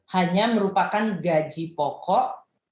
hanya merupakan gaji pokok